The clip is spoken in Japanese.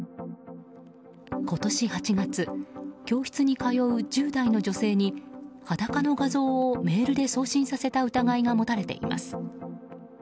今年８月教室に通う１０代の女性に裸の画像をメールで送信させた疑いが持たれています。